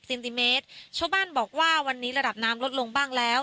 ติเมตรชาวบ้านบอกว่าวันนี้ระดับน้ำลดลงบ้างแล้ว